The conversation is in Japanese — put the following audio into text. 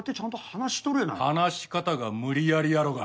話し方が無理やりやろが。